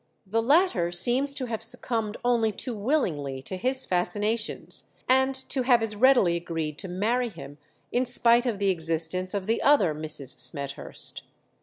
The latter seems to have succumbed only too willingly to his fascinations, and to have as readily agreed to marry him, in spite of the existence of the other Mrs. Smethurst.